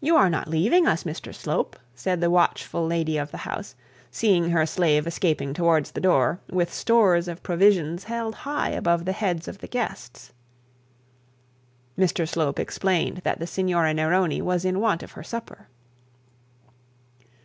'You are not leaving us, Mr Slope,' said the watchful lady of the house, seeing her slave escaping towards the door, with stores of provisions held high above the heads of the guests. Mr Slope explained that the Signora Neroni was in want of her supper.